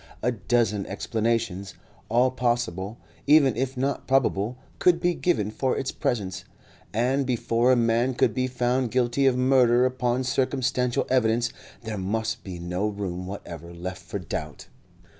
A dozen explanations, all possible even if not probable, could be given for its presence, and before a man could be found guilty of murder upon circumstantial evidence, there must be no room whatever left for doubt.